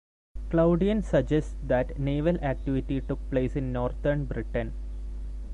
Claudian suggests that naval activity took place in northern Britain.